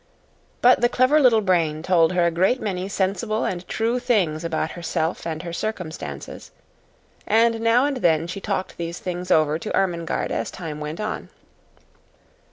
But the clever little brain told her a great many sensible and true things about herself and her circumstances, and now and then she talked these things over to Ermengarde as time went on.